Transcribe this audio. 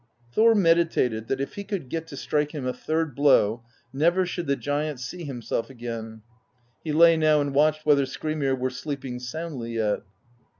"Thor meditated that if he could get to strike him a third blow, never should the giant see himself again; he lay now and watched whether Skrymir were sleeping soundly yet.